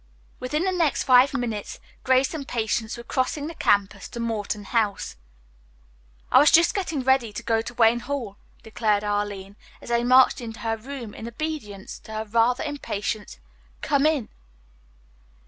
Within the next five minutes Grace and Patience were crossing the campus to Morton House. "I was just getting ready to go to Wayne Hall," declared Arline, as they marched into her room in obedience to her rather impatient "Come in."